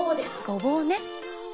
ごぼうね。